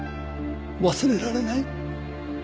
忘れられない。